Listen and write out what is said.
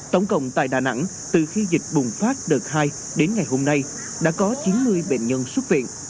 tổng cộng tại đà nẵng từ khi dịch bùng phát đợt hai đến ngày hôm nay đã có chín mươi bệnh nhân xuất viện